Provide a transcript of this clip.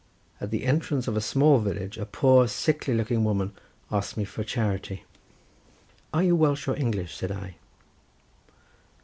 At the entrance of a small village a poor sickly looking woman asked me for charity. "Are you Welsh or English?" said I.